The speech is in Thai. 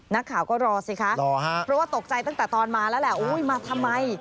นักข่าวก็รอสิคะเพราะว่าตกใจตั้งแต่ตอนมาแล้วแหละมาทำไม